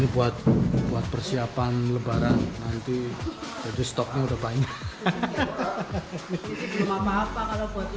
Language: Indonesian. ini buat persiapan lebaran nanti jadi stoknya udah banyak